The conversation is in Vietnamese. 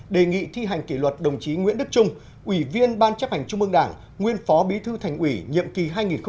đề nghị thi hành kỷ luật đồng chí nguyễn đức trung ủy viên ban chấp hành trung ương đảng nguyên phó bí thư thành ủy nhiệm kỳ hai nghìn một mươi năm hai nghìn hai mươi